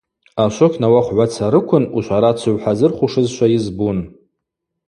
Ашвокь науахвгӏвацарыквын ушварацыгӏв хӏазырхушызшва йызбун.